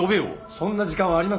そんな時間はありません。